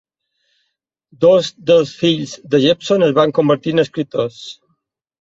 Dos dels fills de Jepson es van convertir en escriptors.